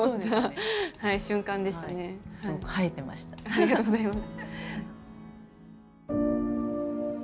ありがとうございます。